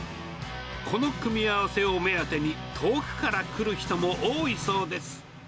この組み合わせを目当てに、遠くから来る人も多いそうです。